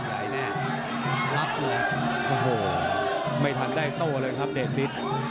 ใหญ่แน่น่ะรับเลยนะครับโอ้โหไม่ทันได้โต๊ะเลยครับเดฟิส